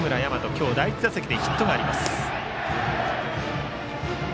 今日は第１打席にヒットがあります。